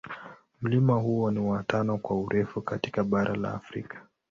Mlima huo ni wa tano kwa urefu katika bara la Afrika.